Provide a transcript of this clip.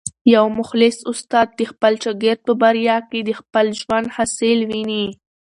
یو مخلص استاد د خپل شاګرد په بریا کي د خپل ژوند حاصل ویني.